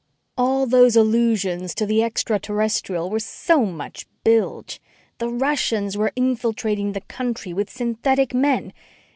All those allusions to the extraterrestrial was so much bilge. The Russians were infiltrating the country with synthetic men.